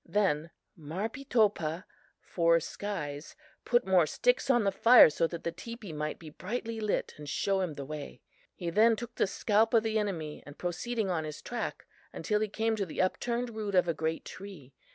"Then Marpeetopah (Four skies) put more sticks on the fire so that the teepee might be brightly lit and show him the way. He then took the scalp of the enemy and proceeded on his track, until he came to the upturned root of a great tree.